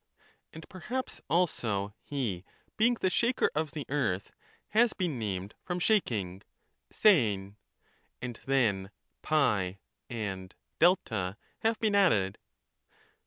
And perhaps also he being the shaker of the earth, has been named from shaking [aeisiv), and then n and 6 have been added.